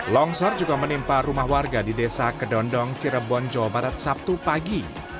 longsor juga menimpa rumah warga di desa kedondong cirebon jawa barat sabtu pagi